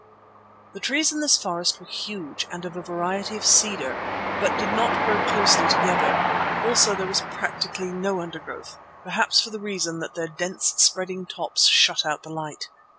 The trees in this forest were huge and of a variety of cedar, but did not grow closely together; also there was practically no undergrowth, perhaps for the reason that their dense, spreading tops shut out the light.